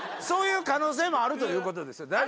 そういう可能性もあるということですよ。